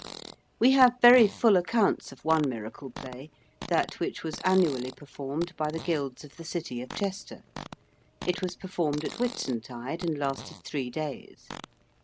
We have very full accounts of one Miracle Play, that which was annually performed by the Guilds of the City of Chester. It was performed at Whitsuntide and lasted three days.